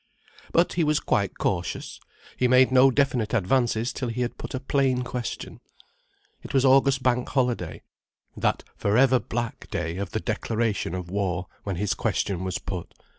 But he was quite cautious. He made no definite advances till he had put a plain question. It was August Bank Holiday, that for ever black day of the declaration of war, when his question was put.